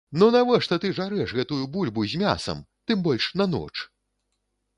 Ну навошта ты жарэш гэтую бульбу з мясам, тым больш, на ноч!